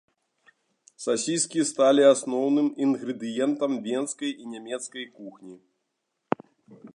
Сасіскі сталі асноўным інгрэдыентам венскай і нямецкай кухні.